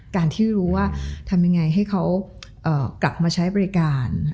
การที่รู้ว่าทำยังไงให้เขากลับมาใช้บริการ